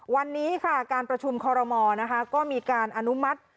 วันนี้ค่ะการประชุมคอรมอลนะคะก็มีการอนุมัติ